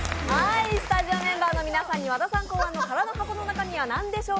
スタジオメンバーの皆さんに和田さん考案の「空の箱の中身は何でしょう？